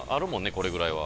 これぐらいは。